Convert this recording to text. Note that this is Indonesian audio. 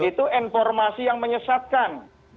itu informasi yang menyesatkan